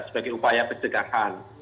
sebagai upaya pencegahan